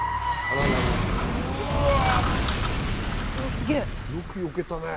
すげえ！